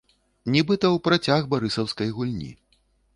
Нібыта ў працяг барысаўскай гульні.